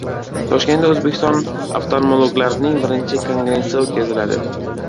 Toshkentda O‘zbekiston oftalmologlarining birinchi kongressi o‘tkaziladi